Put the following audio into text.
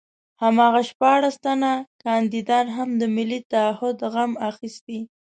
هماغه شپاړس تنه کاندیدان هم د ملي تعهُد غم اخیستي.